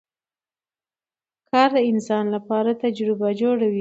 کار د انسان لپاره تجربه جوړوي